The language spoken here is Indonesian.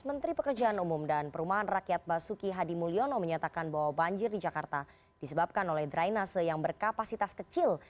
menteri pekerjaan umum dan perumahan rakyat basuki hadi mulyono menyatakan bahwa banjir di jakarta disebabkan oleh drainase yang berkapasitas kecil